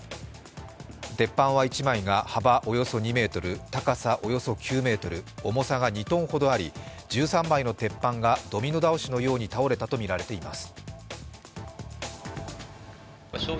鉄板は１枚が幅およそ２ｍ、高さおよそ９ｍ重さが２ｔほどあり、１３枚の鉄板がドミノ倒しのように倒れたとみられています。